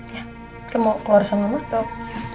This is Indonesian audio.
ya kita mau keluar sama murtok